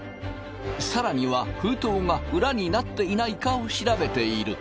更には封筒が裏になっていないかを調べている。